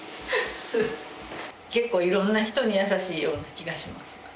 結構いろんな人に優しいような気がします。